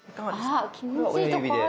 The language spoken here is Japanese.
あ気持ちいいとこある。